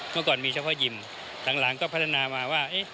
เมื่อก่อนมีเฉพาะยิมหลังก็พัฒนามาว่า